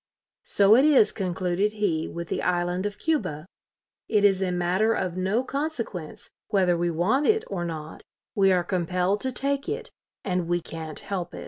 "So it is," concluded he, "with the island of Cuba.... It is a matter of no consequence whether we want it or not; we are compelled to take it, and we can't help it".